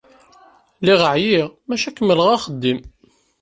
Lliɣ ɛyiɣ, maca kemmleɣ axeddim.